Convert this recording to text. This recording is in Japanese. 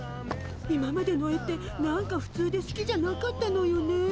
今までの絵って何かふつうですきじゃなかったのよね。